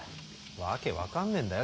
訳分かんねえんだよ